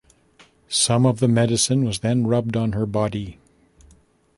Some of the medicine was then rubbed on her body.